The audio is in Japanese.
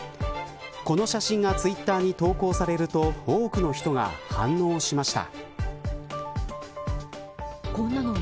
この写真がツイッターに投稿されると多くの人が反応しました。